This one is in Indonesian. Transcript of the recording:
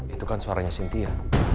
itu kan suaranya cynthia